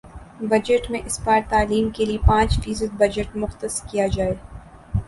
budget میں اس بار تعلیم کے لیے پانچ فیصد بجٹ مختص کیا جائے